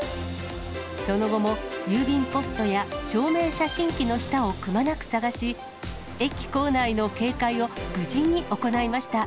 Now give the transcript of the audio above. その後も、郵便ポストや証明写真機の下をくまなく探し、駅構内の警戒を無事に行いました。